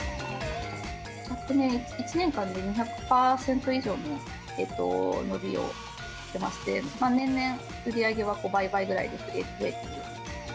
昨年１年間で２００％以上の伸びをしてまして、年々売り上げは売買ぐらいで増えている。